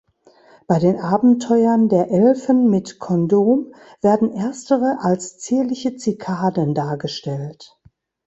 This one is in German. Bei den Abenteuern der Elfen mit "Kondom" werden erstere als zierliche Zikaden dargestellt.